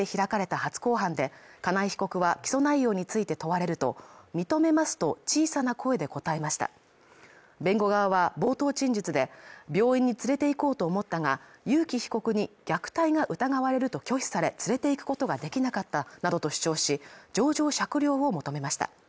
今日さいたま地裁で開かれた初公判であずさ被告は起訴内容について問われると認めますと小さな声で答えました弁護側は冒頭陳述で病院に連れて行こうと思ったが裕喜被告に虐待が疑われると拒否され連れて行くことができなかったなどと主張し情状酌量を求めました